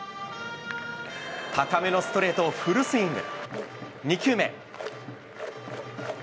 高めのストレートをフルスイング。